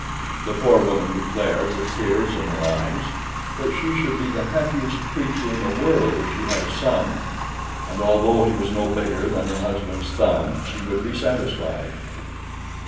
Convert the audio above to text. The poor woman declared, with tears in her eyes, that she should be the happiest creature in the world if she had a son; and although he was no bigger than her husband's thumb, she would be satisfied.